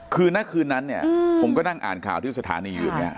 คือณคืนนั้นเนี่ยผมก็นั่งอ่านข่าวที่สถานีอยู่เนี่ย